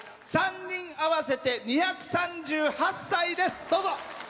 ３人合わせて２３８歳です。